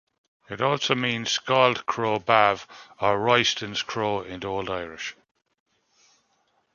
It also means scald-crow Badb or Roynston's crow in Old Irish.